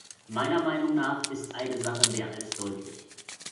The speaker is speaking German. Meiner Meinung nach ist eine Sache mehr als deutlich.